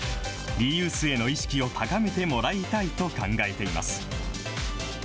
リユースへの意識を高めてもらいたいと考えています。